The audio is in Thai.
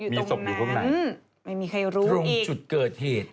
มีศพอยู่ข้างในไม่มีใครรู้ตรงจุดเกิดเหตุ